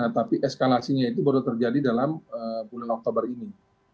tapi eskalasinya itu baru terjadi dalam bulan oktober ini